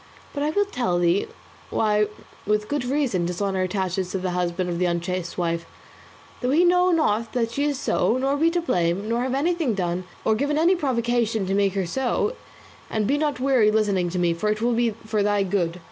But I will tell thee why with good reason dishonour attaches to the husband of the unchaste wife, though he know not that she is so, nor be to blame, nor have done anything, or given any provocation to make her so; and be not weary with listening to me, for it will be for thy good.